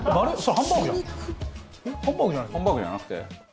ハンバーグじゃなくて？